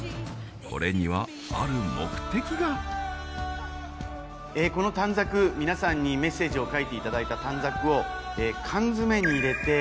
これにはある目的がこの皆さんにメッセージを書いていただいた短冊を缶詰に入れて。